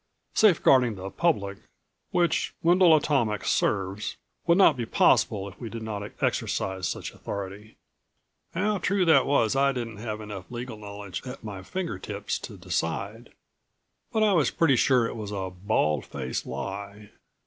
Safe guarding the public, which Wendel Atomics serves, would not be possible if we did not exercise such authority." How true that was I didn't have enough legal knowledge at my finger tips to decide. But I was pretty sure it was a bald faced lie.